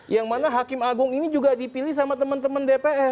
yang mana hakim agung ini juga dipilih sama teman teman dpr